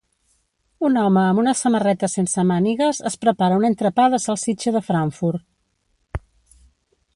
Un home amb una samarreta sense mànigues es prepara un entrepà de salsitxa de Frankfurt.